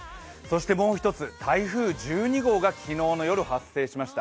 もう１つ、台風１２号が昨日の夜、発生しました。